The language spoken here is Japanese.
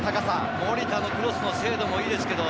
守田のクロスの精度もいいですね。